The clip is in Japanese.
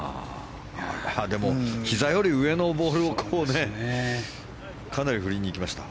でもひざより上のボールをかなり振りにいきました。